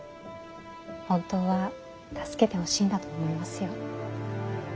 本当は助けてほしいんだと思いますよ。